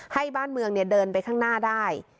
ให้บ้านเมืองเดินไปข้างหน้าได้